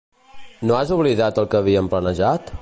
No has oblidat el que havíem planejat?